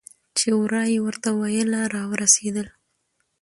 چې ورا یې ورته ویله راورسېدل.